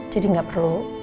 jadi gak perlu